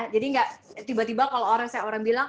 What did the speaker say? jadi tidak tiba tiba kalau orang orang bilang